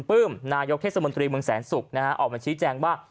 ปลื้มนายกเทศมนตรีเมืองแสนศุกร์นะฮะออกมาชี้แจงว่า